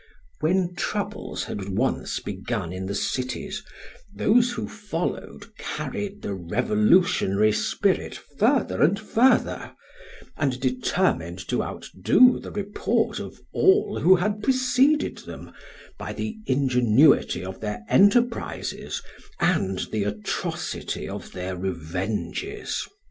"When troubles had once begun in the cities, those who followed carried the revolutionary spirit further and further, and determined to outdo the report of all who had preceded them by the ingenuity of their enterprises and the atrocity of their revenges.